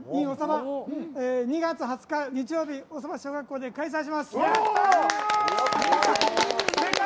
おさば２月２０日日曜日、小鯖小学校で開催します。